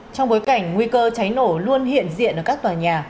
trong bối cảnh nguy cơ cháy nổ luôn hiện diện ở các tòa nhà